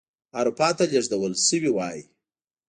اروپا ته لېږدول شوي وای.